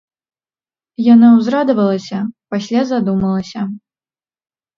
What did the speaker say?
Яна ўзрадавалася, пасля задумалася.